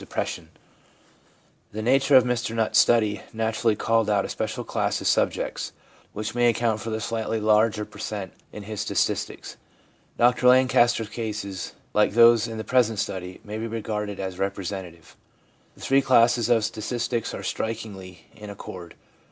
213 2 r 4 THE PSYCHOLOGY OF RELIGION The nature of Mr Nutt's study naturally called out a special class of subjects, which may account for the slightly larger per cent, in his statistics. Dr Lancaster's cases, like those in the present study, may be regarded as representative. The three classes of statistics are strikingly in accord.